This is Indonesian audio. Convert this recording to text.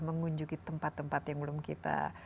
dan mengunjungi tempat tempat yang belum kita